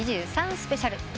スペシャル。